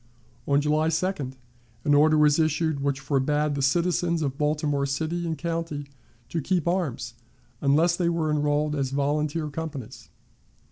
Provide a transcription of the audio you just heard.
On July 2d an order was issued which forbade the citizens of Baltimore City and County to keep arms unless they were enrolled as volunteer companies.